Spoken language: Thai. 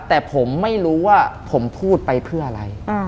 แต่ผมไม่รู้ว่าผมพูดไปเพื่ออะไร